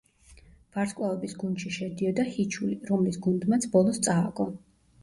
ვარსკვლავების გუნდში შედიოდა ჰიჩული, რომლის გუნდმაც ბოლოს წააგო.